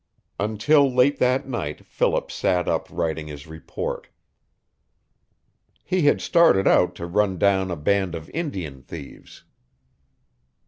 Until late that night Philip sat up writing his report. He had started out to run down a band of Indian thieves.